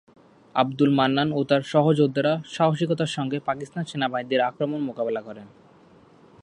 আবদুল মান্নান ও তার সহযোদ্ধারা সাহসিকতার সঙ্গে পাকিস্তান সেনাবাহিনীর আক্রমণ মোকাবিলা করেন।